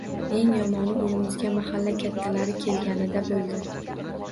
Eng yomoni, uyimizga mahalla kattalari kelganida bo`ldi